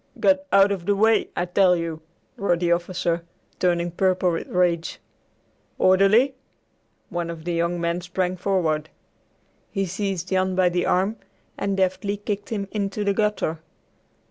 "Get out of the way, I tell you!" roared the officer, turning purple with rage; "Orderly!" One of the young men sprang forward. He seized Jan by the arm and deftly kicked him into the gutter.